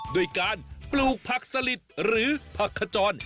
ด้วยการปลูกผักสลิดหรือผักขจร